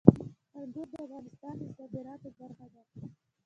انګور د افغانستان د صادراتو برخه ده.